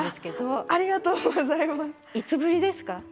いつぶりですか？